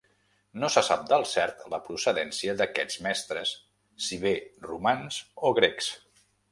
No se sap del cert la procedència d'aquests mestres, si bé romans o grecs.